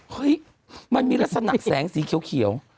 เฮ้ยมันมีลักษณะแสงสีเขียว